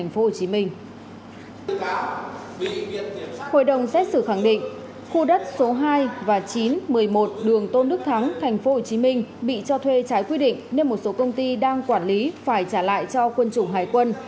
hội đồng xét xử khẳng định khu đất số hai và chín một mươi một đường tôn đức thắng thành phố hồ chí minh bị cho thuê trái quy định nên một số công ty đang quản lý phải trả lại cho quân chủng hải quân